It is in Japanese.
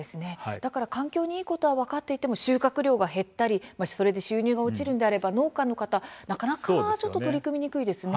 環境にいいことが分かっていても収穫が減ったり収入が減るのであれば農家の方なかなか取り組みにくいですよね。